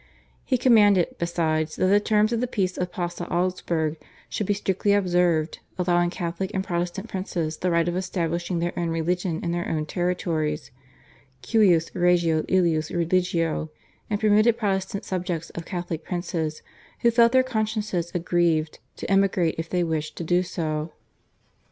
He commanded, besides, that the terms of the Peace of Passau Augsburg should be strictly observed, allowed Catholic and Protestant princes the right of establishing their own religion in their own territories (/Cuius regio illius religio/), and permitted Protestant subjects of Catholic princes who felt their consciences aggrieved to emigrate if they wished to do so.